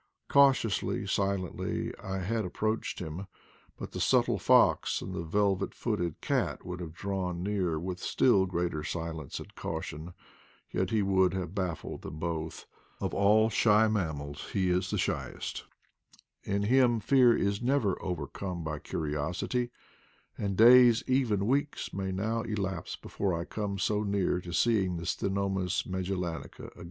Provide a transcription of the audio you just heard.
Cautiously, silently, I had approached him, but the subtle fox and the velvet footed cat would have drawn near with still greater silence and caution, yet he would have baffled them both. Of all shy mammals he is the shyest; in him fear is never overcome by curi osity, and days, even weeks, may now elapse be fore I come so near seeing the Ctenomys magel lanica again.